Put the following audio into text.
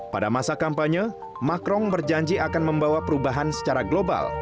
pada masa kampanye macron berjanji akan membawa perubahan secara global